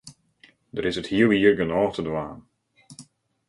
Der is it hiele jier genôch te dwaan.